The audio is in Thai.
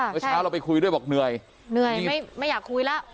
เมื่อเช้าเราไปคุยด้วยบอกเหนื่อยเหนื่อยไม่อยากคุยแล้ว